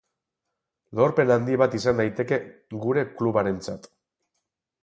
Lorpen handi bat izan daiteke gure klubarentzat.